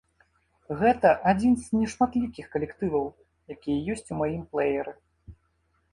Гэта адзін з нешматлікіх калектываў, які ёсць у маім плэеры.